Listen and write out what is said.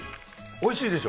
おいしいでしょ？